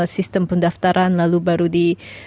sistem pendaftaran lalu baru di